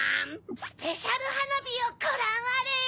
スペシャルはなびをごらんあれ！